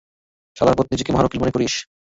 শালারপুত নিজেকে মহান উকিল মনে করিস?